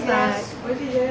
おいしいです。